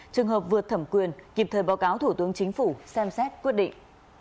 trường hợp vượt thẩm quyền kịp thời báo cáo thủ tướng chính phủ xem xét quyết định